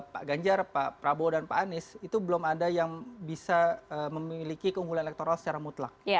pak ganjar pak prabowo dan pak anies itu belum ada yang bisa memiliki keunggulan elektoral secara mutlak